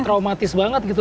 traumatis banget gitu